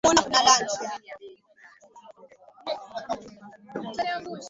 Wanachama kwenye jopo hilo walikuwa wameashiria kwamba wangempinga